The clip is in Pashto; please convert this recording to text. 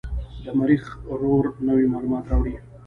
د مریخ روور نوې معلومات راوړي.